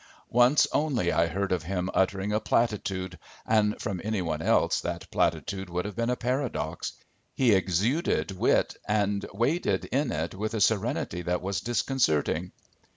Once only I heard of him uttering a platitude and from any one else that platitude would have been a paradox. He exuded wit and waded in it with a serenity that was disconcerting.